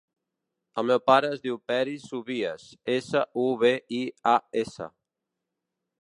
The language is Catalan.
El meu pare es diu Peris Subias: essa, u, be, i, a, essa.